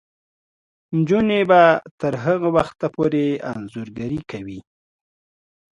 نجونې به تر هغه وخته پورې انځورګري کوي.